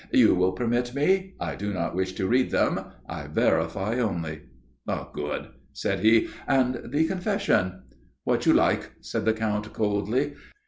"You will permit me? I do not wish to read them. I verify only. Good," said he. "And the confession?" "What you like," said the Count, coldly.